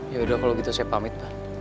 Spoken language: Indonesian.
yaudah kalau gitu saya pamit pak